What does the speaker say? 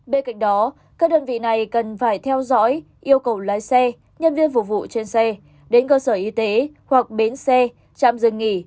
bên cạnh đó các đơn vị này cần phải theo dõi yêu cầu lái xe nhân viên phục vụ trên xe đến cơ sở y tế hoặc bến xe trạm dừng nghỉ